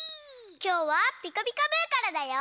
きょうは「ピカピカブ！」からだよ。